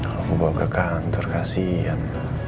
aku bawa ke kantor kasian